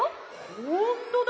ほんとだ！